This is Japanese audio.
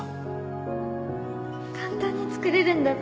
簡単に作れるんだって